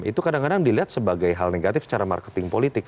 itu kadang kadang dilihat sebagai hal negatif secara marketing politik